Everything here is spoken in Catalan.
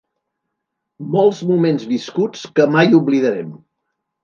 Molts moments viscuts que mai oblidarem.